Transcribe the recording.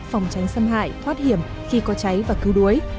phòng tránh xâm hại thoát hiểm khi có cháy và cứu đuối